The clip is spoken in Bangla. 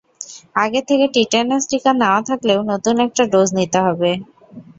আগে থেকে টিটেনাস টিকা নেওয়া থাকলেও নতুন একটা ডোজ নিতে হবে।